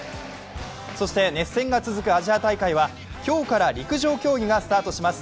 そして熱戦が続くアジア大会は今日から陸上競技がスタートします。